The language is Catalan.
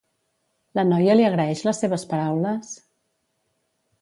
La noia li agraeix les seves paraules?